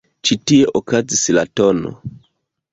Ĉi tie okazis la tn.